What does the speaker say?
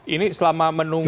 ini selama menunggu